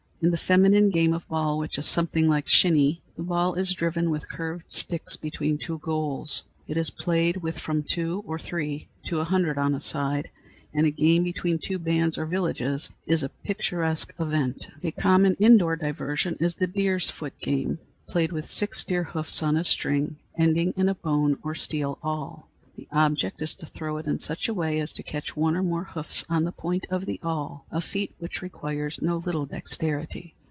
In the feminine game of ball, which is something like "shinny," the ball is driven with curved sticks between two goals. It is played with from two or three to a hundred on a side, and a game between two bands or villages is a picturesque event. A common indoor diversion is the "deer's foot" game, played with six deer hoofs on a string, ending in a bone or steel awl. The object is to throw it in such a way as to catch one or more hoofs on the point of the awl, a feat which requires no little dexterity.